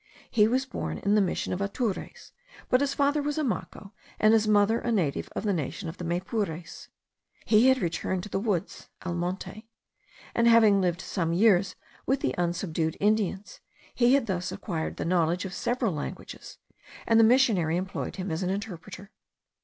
He was born in the Mission of Atures; but his father was a Maco, and his mother a native of the nation of the Maypures. He had returned to the woods (al monte), and having lived some years with the unsubdued Indians, he had thus acquired the knowledge of several languages, and the missionary employed him as an interpreter.